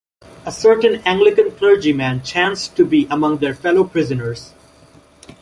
A certain Anglican clergyman chanced to be among their fellow prisoners.